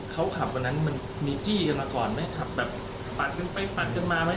เขาขับวันนั้นมันมีจี้กันมาก่อนไหมขับแบบปัดกันไปปัดกันมาไหม